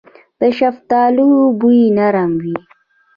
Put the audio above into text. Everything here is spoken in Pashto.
د شفتالو بوی نرم وي.